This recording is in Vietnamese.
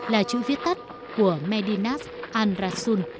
là chữ viết tắt của medinas al rasul